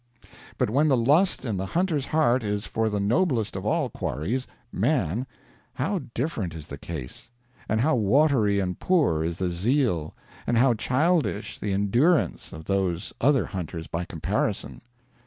But when the lust in the hunter's heart is for the noblest of all quarries, man, how different is the case! and how watery and poor is the zeal and how childish the endurance of those other hunters by comparison.